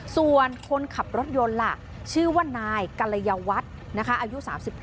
ส่วนคนขับรถยนต์ล่ะชื่อว่านายกัลยวัฒน์อายุ๓๙